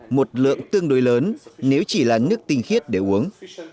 một lượng tương đối lớn nếu chỉ là nước tinh khiết để uống